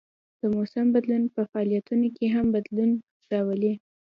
د موسم بدلون په فعالیتونو کې هم بدلون راولي